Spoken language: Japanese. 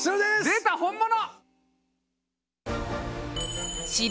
出た本物！